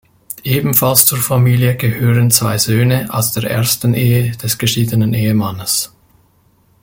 Ebenfalls zur Familie gehören zwei Söhne aus der ersten Ehe des geschiedenen Ehemannes.